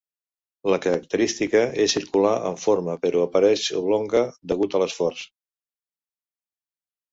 La característica és circular en forma, però apareix oblonga degut a l'escorç.